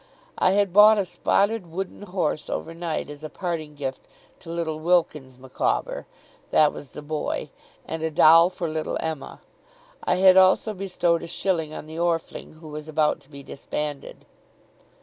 I had bought a spotted wooden horse over night as a parting gift to little Wilkins Micawber that was the boy and a doll for little Emma. I had also bestowed a shilling on the Orfling, who was about to be disbanded.